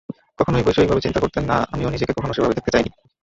কখনোই বৈষয়িকভাবে চিন্তা করতেন না, আমিও নিজেকে কখনো সেভাবে দেখতে চাইনি।